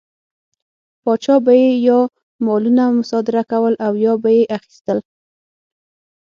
پاچا به یې یا مالونه مصادره کول او یا به یې اخیستل.